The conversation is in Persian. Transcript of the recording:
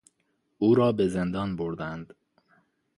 او را به زندان بردند.